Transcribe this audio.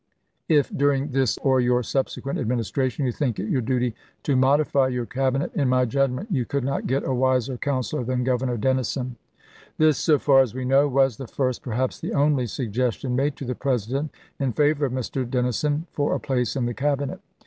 .. If, during this or your subsequent Administration, you think it your duty to modify your Cabinet, in my judgment you could not get a wiser counselor than Governor Davis Dennison." This, so far as we know, was the first, t0 LMs!oln' perhaps the only, suggestion made to the President in favor of Mr. Dennison for a place in the Cabinet.